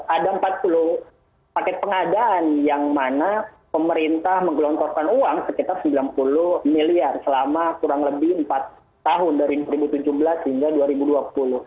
ada empat puluh paket pengadaan yang mana pemerintah menggelontorkan uang sekitar sembilan puluh miliar selama kurang lebih empat tahun dari dua ribu tujuh belas hingga dua ribu dua puluh